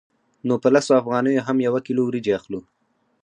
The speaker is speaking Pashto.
نو په لسو افغانیو هم یوه کیلو وریجې اخلو